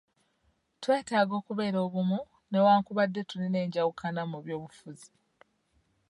Twetaaga okubeera obumu newankubadde tulina enjawukana mu by'obufuzi.